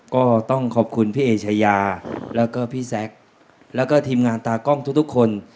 ก็ต้องขอบคุณพี่เอชายาแล้วก็พี่แซคแล้วก็ทีมงานตากล้องทุกคน